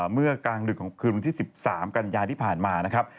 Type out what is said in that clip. เมื่อกลางดึกของคืนวันที่๑๓กันยาที่ผ่านมานะครับ